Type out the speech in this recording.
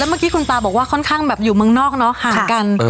เมื่อกี้คุณตาบอกว่าค่อนข้างแบบอยู่เมืองนอกเนอะห่างกัน